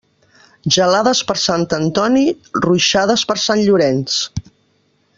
Gelades per Sant Antoni, ruixades per Sant Llorenç.